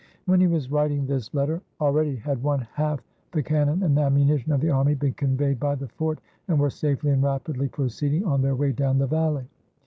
When he was writing this letter, already had one half the cannon and ammunition of the army been conveyed by the fort, and were safely and rapidly proceeding on their way down the valley.